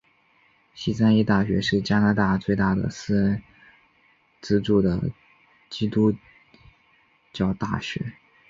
西三一大学是加拿大最大的私人资助的基督教大学。